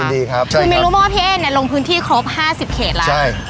ยินดีครับคือมีรวมว่าพี่เอ๋เนี้ยลงพื้นที่ครบห้าสิบเขตแล้วใช่